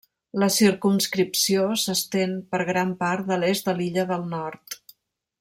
La circumscripció s'estén per gran part de l'est de l'illa del Nord.